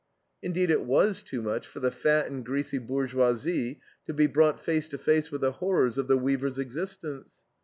Indeed, it was too much for the fat and greasy bourgeoisie to be brought face to face with the horrors of the weaver's existence.